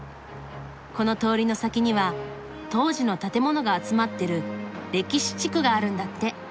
この通りの先には当時の建物が集まってる歴史地区があるんだって。